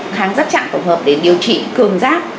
kháng giáp chặn tổng hợp để điều trị cường giáp